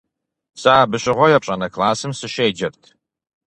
Сэ абы щыгъуэ епщӏанэ классым сыщеджэрт.